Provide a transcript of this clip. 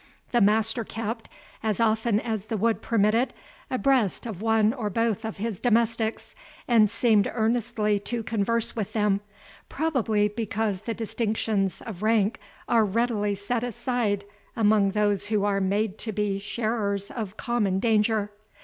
The master kept, as often as the wood permitted, abreast of one or both of his domestics, and seemed earnestly to converse with them, probably because the distinctions of rank are readily set aside among those who are made to be sharers of common danger.